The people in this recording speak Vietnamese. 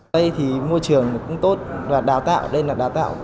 đây thì môi trường cũng tốt và đào tạo đây là đào tạo